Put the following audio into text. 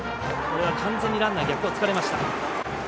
完全にランナー逆をつかれました。